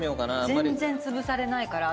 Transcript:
全然つぶされないから。